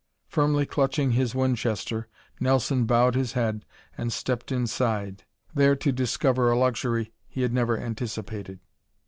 Firmly clutching his Winchester, Nelson bowed his head and stepped inside, there to discover a luxury he had never anticipated.